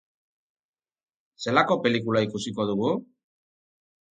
Zelako pelikula ikusiko dugu?